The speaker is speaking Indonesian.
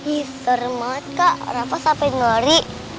ih serem banget kak rafa sampe ngelori